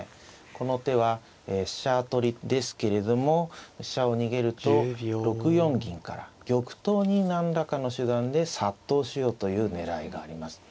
この手は飛車取りですけれども飛車を逃げると６四銀から玉頭に何らかの手段で殺到しようという狙いがあります。